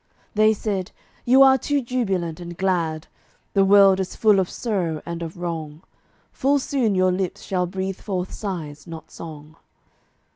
They said, "You are too jubilant and glad; The world is full of sorrow and of wrong. Full soon your lips shall breathe forth sighs not song."